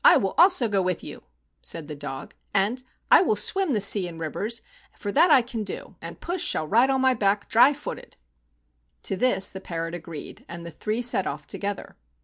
"I also will go with you," said the dog, "and I will swim the sea and rivers, for that I can do, and puss shall ride upon my back dry footed." To this the parrot agreed, and the three set off together.